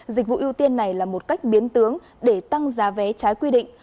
dịch vụ ưu tiên này là một cách biến tướng để tăng giá vé trái quy định